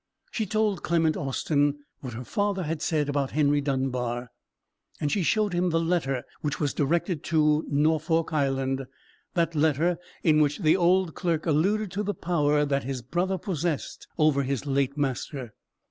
She told Clement Austin what her father had said about Henry Dunbar; and she showed him the letter which was directed to Norfolk Island—that letter in which the old clerk alluded to the power that his brother possessed over his late master.